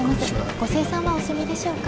ご精算はお済みでしょうか？